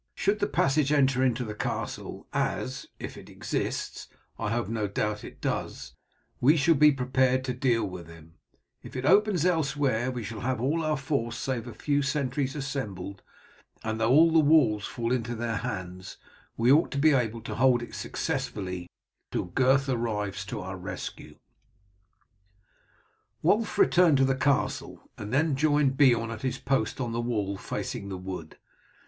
Should the passage enter into the castle, as, if it exists, I have no doubt it does, we shall be prepared to deal with them, if it opens elsewhere we shall have all our force save a few sentries assembled, and though all the walls fall into their hands, we ought to be able to hold it successfully till Gurth arrives to our rescue." Wulf returned to the castle, and then joined Beorn at his post on the wall facing the wood.